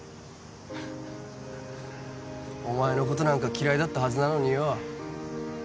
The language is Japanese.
お前のことなんか嫌いだったはずなのによ。